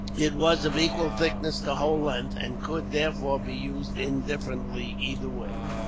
It was of equal thickness the whole length; and could, therefore, be used indifferently either way.